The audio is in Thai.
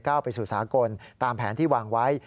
ไปสู่สากลตามแผนที่วางไว้